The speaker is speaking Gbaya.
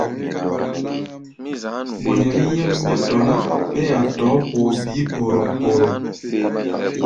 Mɔ nɛ wí nyɛ́m mɛ́ tɔ̧ ná, ɓɛɛ́ a̧ tɔ̧ɔ̧́ poo bíí póróp-póróp.